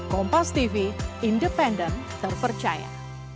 kompas tv independen terpercaya